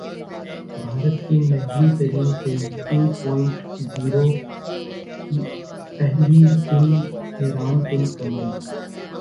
بھارت کی مہنگی ترین فلم ٹو پوائنٹ زیرو کی پہلے دن حیران کن کمائی